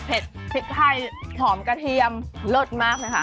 พริกไทยหอมกระเทียมโลดมากนะคะ